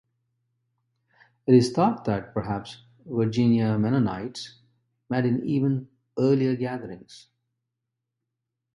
It is thought that perhaps Virginia Mennonites met in even earlier gatherings.